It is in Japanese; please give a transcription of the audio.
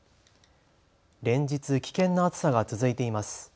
連日、危険な暑さが続いています。